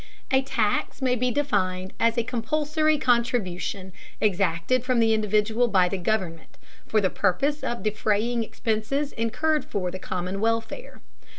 A tax may be defined as a compulsory contribution exacted from the individual by the government, for the purpose of defraying expenses incurred for the common welfare.